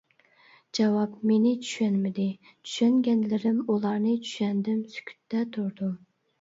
جاۋاب مېنى چۈشەنمىدى، چۈشەنگەنلىرىم، ئۇلارنى چۈشەندىم، سۈكۈتتە تۇردۇم.